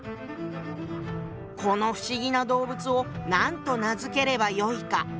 「この不思議な動物を何と名付ければよいか」。